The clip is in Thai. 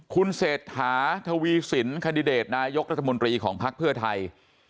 คุณเศรษฐาทวีสินคันดิเดตนายกรัฐมนตรีของภักดิ์เพื่อไทย